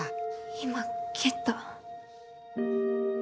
今、蹴った。